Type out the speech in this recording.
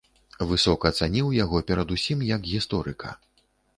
Высока цаніў яго перад усім як гісторыка.